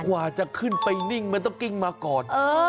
กว่าจะขึ้นไปนิ่งมันต้องกิ้งมาก่อน